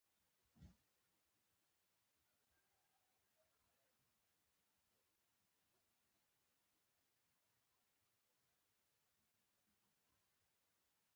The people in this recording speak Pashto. لاندې د سيند اوبه له لويو ډبرو سره لګېدلې،